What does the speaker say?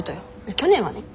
去年はね。